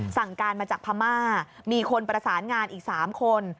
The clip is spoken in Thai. สั่งการมาจากพม่ามีคนประสานงานอีก๓คน